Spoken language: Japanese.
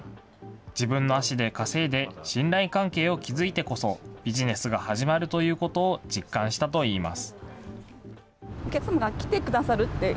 自分の足で稼いで信頼関係を築いてこそ、ビジネスが始まるということを実感したといいます。